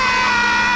nggak nggak kena